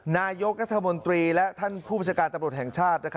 นายกรัฐมนตรีและท่านผู้บัญชาการตำรวจแห่งชาติ